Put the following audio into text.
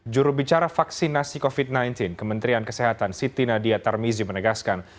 jurubicara vaksinasi covid sembilan belas kementerian kesehatan siti nadia tarmizi menegaskan